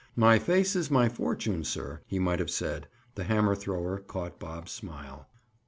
"My face is my fortune, sir," he might have said. The hammer thrower caught Bob's smile.